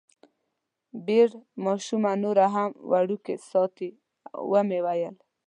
بیر ماشومه نوره هم وړوکې ساتي، ومې ویل.